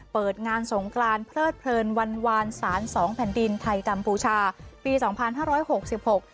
เปิดงานสงกรานเพลิดเพลินวันวานสารสองแผ่นดินไทยกัมพูชาปีสองพันห้าร้อยหกสิบหก